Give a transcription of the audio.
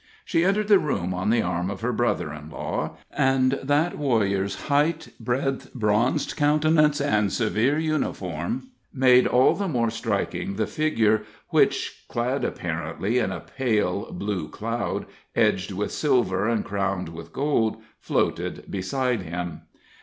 She entered the room on the arm of her brother in law, and that warrior's height, breadth, bronzed countenance and severe uniform, made all the more striking the figure which, clad apparently in a pale blue cloud, edged with silver and crowned with gold, floated beside him.